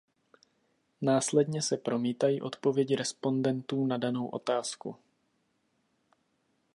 Následně se promítají odpovědi respondentů na danou otázku.